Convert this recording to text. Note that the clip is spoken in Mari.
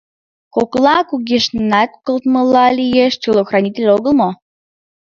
Коклан кугешненат колтымыла лиеш: телохранитель огыл мо?